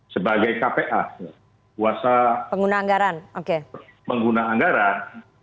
sebagai kpa kuasa pengguna anggaran